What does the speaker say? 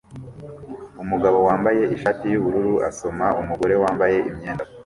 Umugabo wambaye ishati yubururu asoma umugore wambaye imyenda